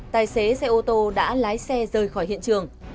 tài xế xe ô tô đã lái xe rời khỏi hiện trường